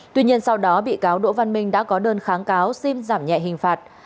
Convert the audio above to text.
tuy nhiên sau đó bị cáo đỗ văn minh đã có đơn kháng cáo xin giảm nhẹ hình phạt